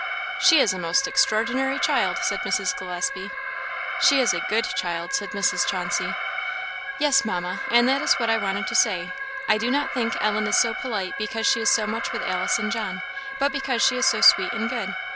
"She is a most extraordinary child!" said Mrs. Gillespie. "She is a good child!" said Mrs. Chauncey. "Yes, Mamma, and that is what I wanted to say. I do not think Ellen is so polite because she is so much with Alice and John, but because she is so sweet and good.